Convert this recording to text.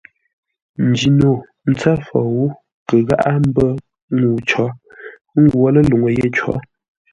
Njino ntsə́ fou kə gháʼa mbə́ ŋuu cǒ, ə́ ngwǒ ləluŋú yé có.